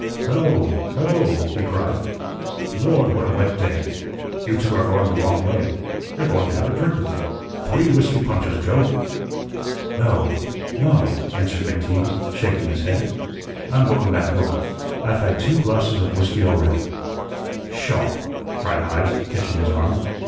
"Hello, hello," he cried. "Lord, what a wet day! You two are going the wrong way. You're going to have a drink with me. Three whiskey punches, Joe." "No, no," answered McTeague, shaking his head. "I'm going back home. I've had two glasses of whiskey already." "Sha!" cried Heise, catching his arm.